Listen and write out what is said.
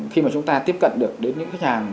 khi mà chúng ta tiếp cận được đến những khách hàng